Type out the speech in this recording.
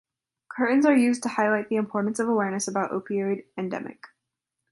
Curtains are used to highlight the importance of awareness about opioid endemic.